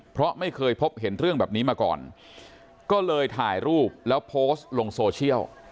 เพราะไม่เคยพบเห็นเรื่องแบบนี้มาก่อนก็เลยถ่ายรูปแล้วโพสต์ลงโซเชียล